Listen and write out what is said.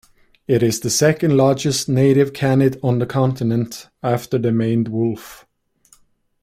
It is the second largest native canid on the continent, after the maned wolf.